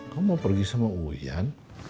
kamu mau pergi sama uyan